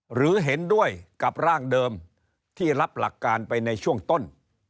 หรือเห็นด้วยกับร่างเดิมที่รับหลักการไปในช่วงต้น